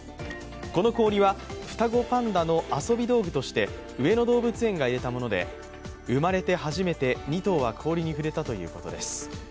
この氷は双子パンダの遊び道具として上野動物園が入れたもので生まれて初めて２頭は氷に触れたということです。